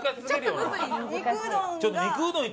肉うどんが。